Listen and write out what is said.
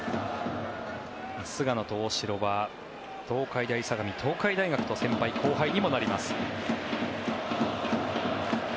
菅野と大城は東海大相模、東海大学と先輩後輩にもなります。